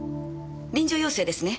臨場要請ですね。